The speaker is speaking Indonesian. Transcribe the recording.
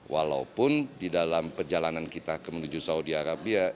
walaupun di dalam perjalanan kita menuju saudi arabia